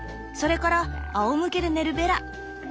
それからあおむけで寝るベラ！